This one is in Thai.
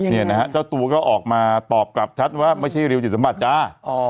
เนี่ยนะฮะเจ้าตัวก็ออกมาตอบกลับชัดว่าไม่ใช่ริวจิตสมบัติจ้า